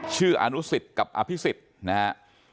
ชื่ออนุสิตกับอภิสิตนะฮะ